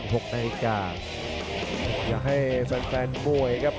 และให้แฟนมวยครับ